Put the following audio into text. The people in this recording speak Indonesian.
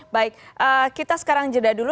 baik kita sekarang jeda dulu